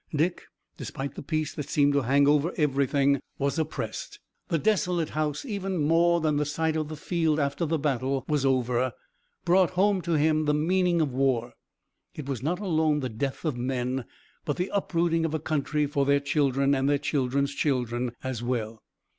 Dick, despite the peace that seemed to hang over everything, was oppressed. The desolate house, even more than the sight of the field after the battle was over, brought home to him the meaning of war. It was not alone the death of men but the uprooting of a country for their children and their children's children as well.